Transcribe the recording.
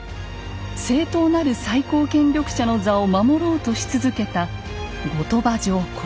正統なる最高権力者の座を守ろうとし続けた後鳥羽上皇。